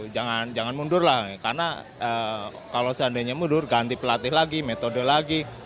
jangan mundur lah karena kalau seandainya mundur ganti pelatih lagi metode lagi